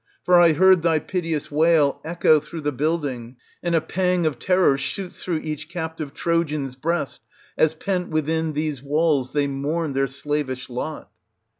For I heard thy piteous wail echo through the building, and a pang of terror shoots through each captive Trojan's breast, as pent within these walls they mourn their slavish lot.